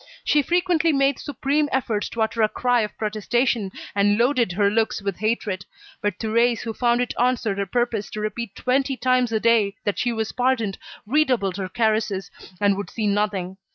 She frequently made supreme efforts to utter a cry of protestation, and loaded her looks with hatred. But Thérèse, who found it answered her purpose to repeat twenty times a day that she was pardoned, redoubled her caresses, and would see nothing.